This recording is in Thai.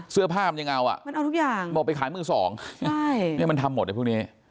เสื้อผ้ามันยังเอามันมาออกไปขายมึงสองมันทำหมดเนี้ยพวกนี้